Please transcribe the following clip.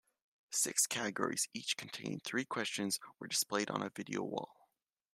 Six categories, each containing three questions, were displayed on a video wall.